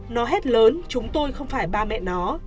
nó hết lớn chúng tôi không phải ba mẹ nó